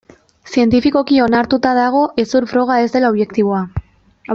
Zientifikoki onartuta dago hezur froga ez dela objektiboa.